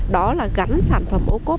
đó là gắn sản phẩm ô cốt